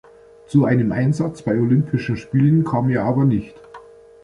Zu einem Einsatz bei Olympischen Spielen kam er aber nicht.